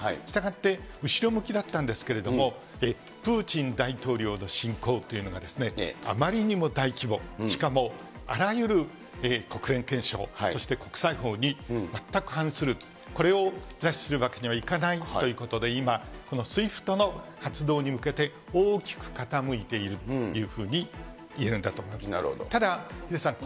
したがって後ろ向きだったんですけれども、プーチン大統領の侵攻というのが、あまりにも大規模、しかもあらゆる国連憲章、そして国際法に全く反する、これを座視するわけにはいかないということで、今、このＳＷＩＦＴの活動に向けて大きく傾いているというふうにいえるんだと思います。